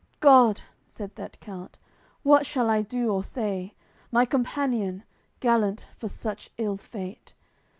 "God!" said that count, "What shall I do or say? My companion, gallant for such ill fate!